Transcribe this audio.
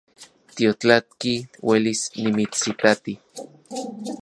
Tiotlatki uelis nimitsitati